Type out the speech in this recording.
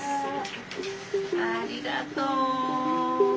ありがとう！